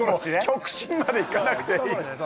極真までいかなくていい。